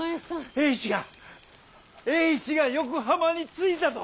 栄一が栄一が横浜に着いたと！